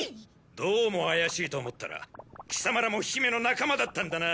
どうも怪しいと思ったらキサマらも姫の仲間だったんだな！？